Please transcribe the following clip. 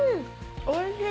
おいしい！